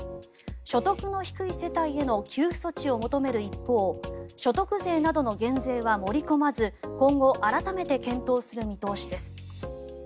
所得の低い世帯への給付措置を求める一方所得税などの減税は盛り込まず今後改めて検討する見通しです。